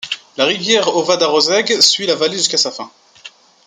La rivière Ova da Roseg suit la vallée jusqu'à sa fin.